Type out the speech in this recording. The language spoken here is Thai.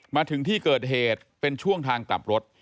มาถึงที่เกิดเหตุเป็นช่วงทางกลับรถ